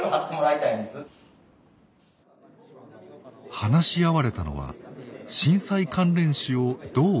話し合われたのは震災関連死をどう防ぐか。